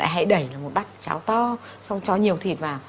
hãy đẩy là một bát cháo to xong cho nhiều thịt vào